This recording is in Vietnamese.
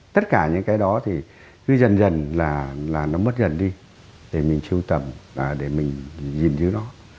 tất cả những cái đó thì cứ dần dần là nó mất dần đi để mình sưu tầm để mình nhìn chứ nó